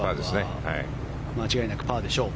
間違いなくパーでしょう。